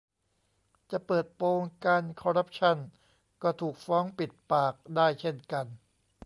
จะเปิดโปงการคอร์รัปชัน ก็ถูก ฟ้องปิดปาก ได้เช่นกัน